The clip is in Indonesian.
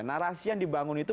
narasi yang dibangun itu